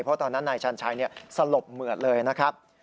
เพราะตอนนั้นนายชันชัยสลบเหมือดเลยนะครับ